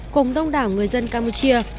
cùng đông đảo người dân campuchia